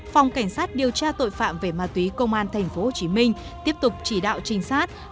phòng cảnh sát điều tra tội phạm về ma túy công an tp hcm tiếp tục chỉ đạo trinh sát